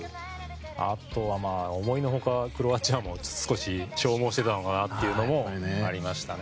あとは、思いのほかクロアチアも少し消耗していたのかなというのもありましたね。